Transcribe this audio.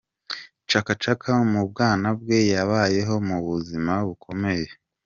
Chaka Chaka, mu bwana bwe, yabayeho mu buzima bukomeye.